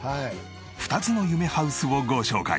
２つの夢ハウスをご紹介。